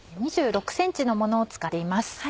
２６ｃｍのものを使っています。